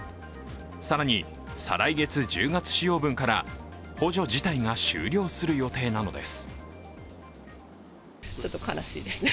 更に、再来月１０月使用分から補助自体が終了する予定なのです。